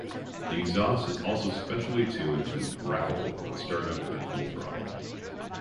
The exhaust is also specially tuned to "growl" on start-up and full throttle.